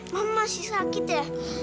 mama masih sakit ya